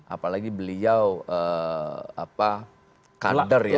apalagi beliau kader ya